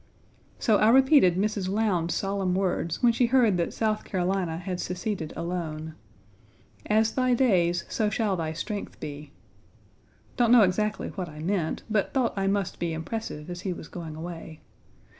So I repeated Mrs. Lowndes's solemn words when she heard that South Carolina had seceded alone: "As thy days so shall thy strength be." Don't know exactly what I meant, but thought I must be impressive as he was going away.